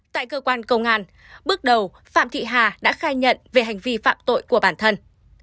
tại cơ quan công an bước đầu phạm thị hà đã khai nhận về hành vi phạm tội của bản thân